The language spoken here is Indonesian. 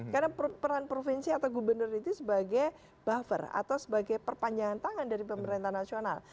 karena peran provinsi atau gubernur itu sebagai buffer atau sebagai perpanjangan tangan dari pemerintah nasional